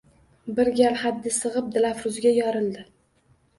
Bir gal haddi sig`ib, Dilafruzga yorildi